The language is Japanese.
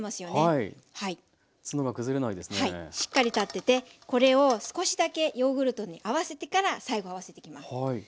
しっかり立っててこれを少しだけヨーグルトに合わせてから最後合わせていきます。